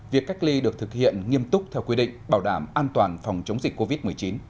việc cách ly được thực hiện nghiêm túc theo quy định bảo đảm an toàn phòng chống dịch covid một mươi chín